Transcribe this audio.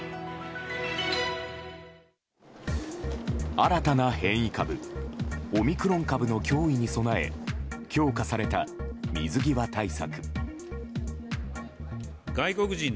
新たな変異株オミクロン株の脅威に備え強化された水際対策。